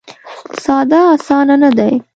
ساده اسانه نه دی.